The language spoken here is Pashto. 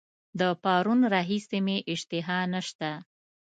د پرون راهیسي مي اشتها نسته.